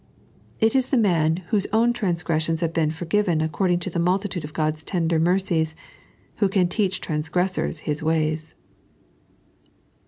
It is the man whose own tranf^resaions have been forgiven according to the mnltitude of God's tender mercies who can teach trans gressors TTia ways.